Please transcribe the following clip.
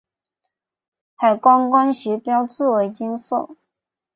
海关关衔标志为金色。